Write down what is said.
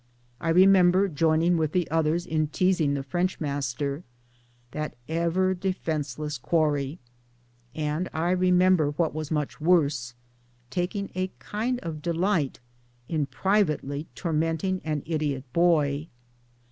I remember joining with the others in teasing the French master that ever defenceless quarry; and I remember what was much worse, taking a kind of delight in privately tormenting an idiot boy.